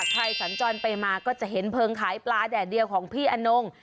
สัญจรไปมาก็จะเห็นเพลิงขายปลาแดดเดียวของพี่อนง